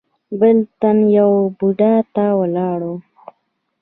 بل تن يوه بوډا ته ولاړ و.